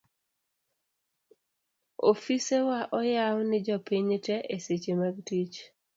ofisewa oyaw ni jopiny te eseche mag tich